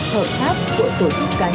hợp pháp của tổ chức cá nhân